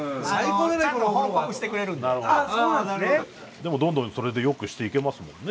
でもどんどんそれで良くしていけますもんね。